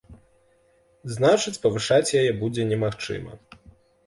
Значыць, павышаць яе будзе немагчыма.